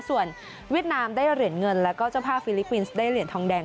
ส่วนเวียดนามได้เหรียญเงินแล้วก็เจ้าภาพฟิลิปปินส์ได้เหรียญทองแดง